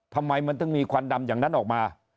ทำไมมันถึงมีควันดำอย่างนั้นออกมา